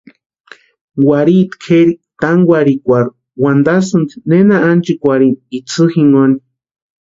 Warhiti kʼeri tánkwarhikwarhu wantasïnti nena ánchikwarhini itsï jinkoni.